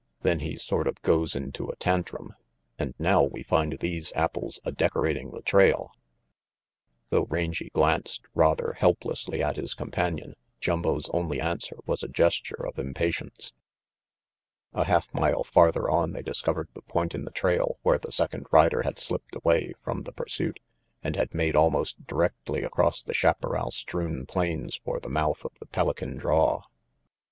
Then he sort of goes into a tantrum; and now we find these apples a decorating the trail Though Rangy glanced rather helplessly at his companion, Jumbo's only answer was a gesture of impatience. 68 RANGY PETE A half mile farther on they discovered the point in the trail where the second rider had slipped away from the pursuit and had made almost directly across the chaparral strewn plains for the mouth of the Pelican draw.